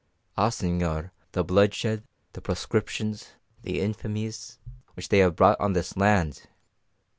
Ah, señor, the bloodshed, the proscriptions, the infamies which they have brought on this land!